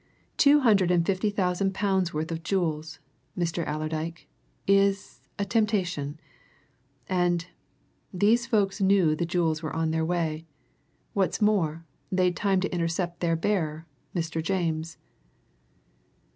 Two hundred and fifty thousand pounds' worth of jewels, Mr. Allerdyke, is a temptation! And these folks knew the jewels were on the way. What's more, they'd time to intercept their bearer Mr. James."